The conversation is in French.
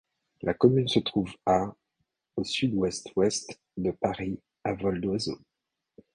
La commune se trouve à au sud-ouest-ouest de Paris à vol d'oiseau.